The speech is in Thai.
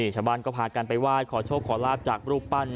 ชาวบ้านก็พากันไปไหว้ขอโชคขอลาบจากรูปปั้น